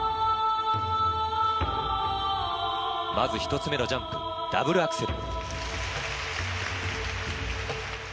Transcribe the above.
まず１つ目のジャンプダブルアクセル。